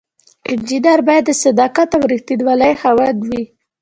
انجینر باید د صداقت او ریښتینولی خاوند وي.